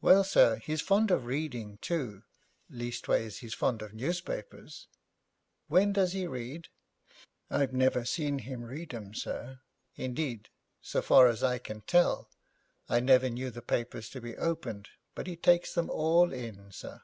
'Well, sir, he's fond of reading too; leastways, he's fond of newspapers.' 'When does he read?' 'I've never seen him read 'em, sir; indeed, so far as I can tell, I never knew the papers to be opened, but he takes them all in, sir.'